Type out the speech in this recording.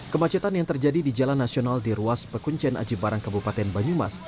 kemacetan yang terjadi di jalan nasional di ruas pekuncian aji barang kabupaten banyumas